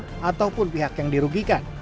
baik dari korban ataupun pihak yang dirugikan